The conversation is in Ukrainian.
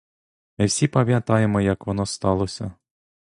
Ми всі пам'ятаємо, як воно сталося.